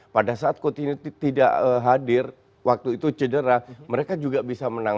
pada saat coutinho tidak hadir waktu itu cedera mereka juga bisa menang